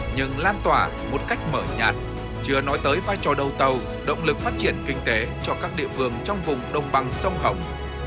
nhưng lan tỏa một cách mở nhạt chưa nói tới vai trò đầu tàu động lực phát triển kinh tế cho các địa phương trong vùng đồng bằng sông hồng